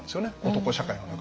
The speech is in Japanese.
男社会の中で。